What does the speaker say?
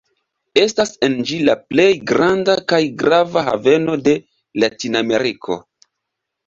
Estas en ĝi la plej granda kaj grava haveno de Latinameriko.